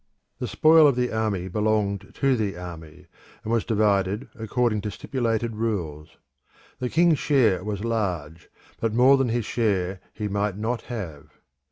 The spoil of the army belonged to the army, and was divided according to stipulated rules. The king's share was large, but more than his share he might not have.